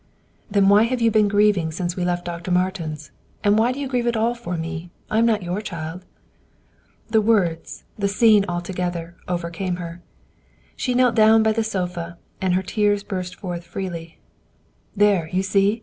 "Then why have you been grieving since we left Dr. Martin's? And why do you grieve at all for me? I am not your child." The words, the scene altogether, overcame her. She knelt down by the sofa, and her tears burst forth freely. "There! You see!"